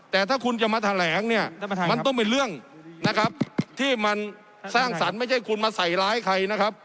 แต่ถ้าคุณจะมาแถลงเนี่ยมันต้องเป็นเรื่องนะครับที่มันสร้างสรรค์ไม่ใช่คุณมาใส่ร้ายใครนะครับ